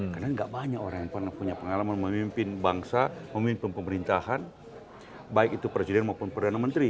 karena nggak banyak orang yang pernah punya pengalaman memimpin bangsa memimpin pemerintahan baik itu presiden maupun perdana menteri